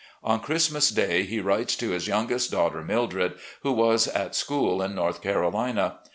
On Christmas Day he writes to his youngest daughter, Mildred, who was at school in North Carolina